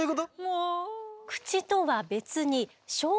口とは別に消化